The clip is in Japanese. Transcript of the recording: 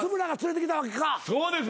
そうです